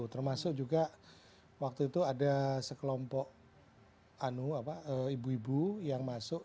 termasuk juga waktu itu ada sekelompok ibu ibu yang masuk